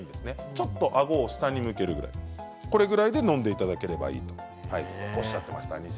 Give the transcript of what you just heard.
ちょっとあごを下に向けるぐらいこれぐらいでのんでいただければいいとおっしゃっていました。